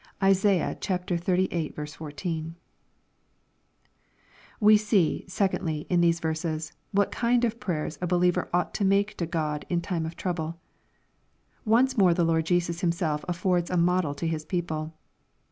(Isai. xxxviii. 14 ) We see, secondly, in these yeTses,'what kind of prayers a believer ought to make to God in time of trouble. Once more the Lord Jesus Himself affords a model to His people.